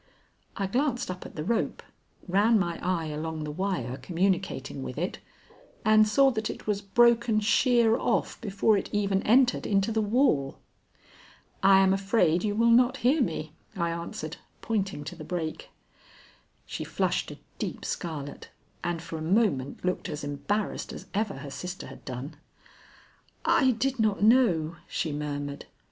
I glanced up at the rope, ran my eye along the wire communicating with it, and saw that it was broken sheer off before it even entered into the wall. "I am afraid you will not hear me," I answered, pointing to the break. She flushed a deep scarlet, and for a moment looked as embarrassed as ever her sister had done. "I did not know," she murmured.